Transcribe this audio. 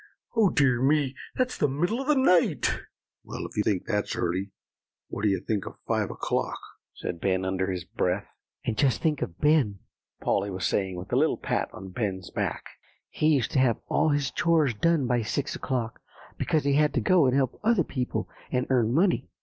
"Oh, dear me! that's the middle of the night." "Well, if you think that's early, what do you think of five o'clock," said Ben under his breath. "And just think of Ben," Polly was saying, with a little pat on Ben's back; "he used to have all his chores done by six o'clock, because he had to go and help other people, and earn money."